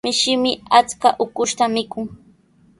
Mishimi achka ukushta mikun.